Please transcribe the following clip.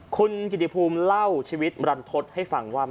คุณกิติภูมิเล่าชีวิตรันทศให้ฟังว่า